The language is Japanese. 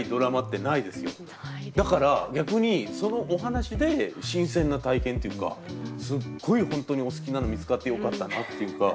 だから逆にそのお話で新鮮な体験っていうかすっごい本当にお好きなの見つかってよかったなっていうか。